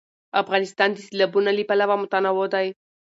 افغانستان د سیلابونه له پلوه متنوع دی.